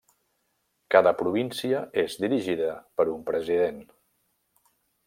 Cada província és dirigida per un president.